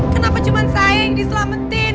kenapa cuma saya yang diselametin